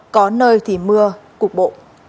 có nơi thì mưa cục bộ